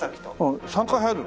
３回入るの？